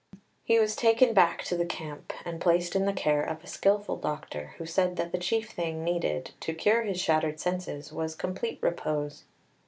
He was taken back to the camp, and placed in the care of a skilful doctor, who said that the chief thing needed to cure his shattered senses was complete repose.